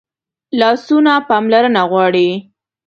لاسونه پاملرنه غواړي